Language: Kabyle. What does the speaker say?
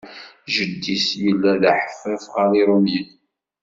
Jeddi-s yella d aḥeffaf ɣer Iṛumiyen.